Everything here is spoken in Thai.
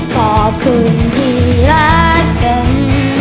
ขอบคุณที่รักกัน